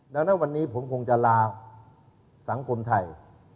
ดังนั้นวันนี้ผมคงจะลาสังคมไทย